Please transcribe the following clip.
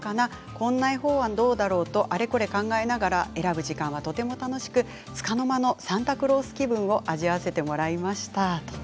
こんな絵本はどうだろう？とあれこれ考えながら選ぶ時間はとても楽しく、つかの間のサンタクロース気分を味わわせてもらえました。